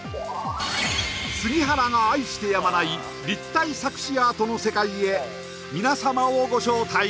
杉原が愛してやまない立体錯視アートの世界へ皆様をご招待！